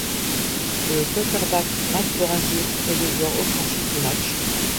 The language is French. Le quarterback Matt D'Orazio est le joueur offensif du match.